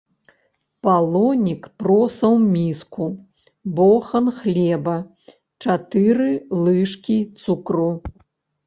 Палонік проса ў міску, бохан хлеба, чатыры лыжкі цукру.